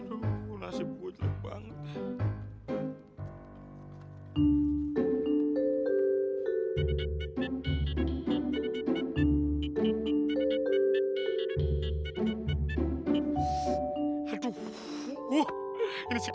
aduh nasib gue jelek banget